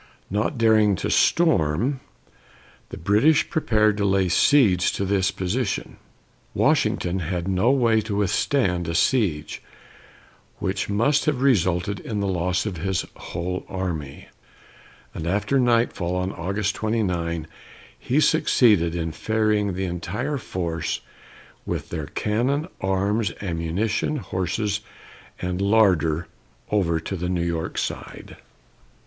Not daring to storm, the British prepared to lay siege to this position. Washington had no way to withstand a siege, which must have resulted in the loss of his whole army, and after nightfall of August 29, he succeeded in ferrying the entire force, with their cannon, arms, ammunition, horses, and larder, over to the New York side.